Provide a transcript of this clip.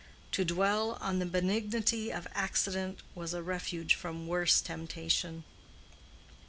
To dwell on the benignity of accident was a refuge from worse temptation.